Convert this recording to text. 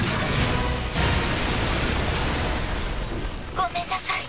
ごめんなさい。